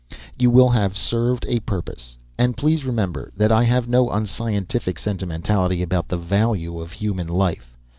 You will have served a purpose. And please remember that I have no unscientific sentimentality about the value of human life.